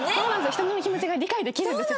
人の気持ちが理解できるんですよ